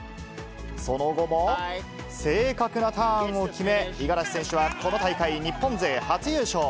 その後も、正確なターンを決め、五十嵐選手はこの大会、日本勢初優勝。